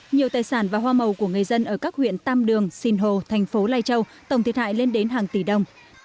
nhiều tài sản và hoa màu của người dân ở các huyện tam đường sinh hồ thành phố lai châu tổng thiệt hại lên đến hàng tỷ đồng